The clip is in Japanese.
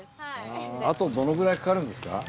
あとどのぐらいかかるんですか？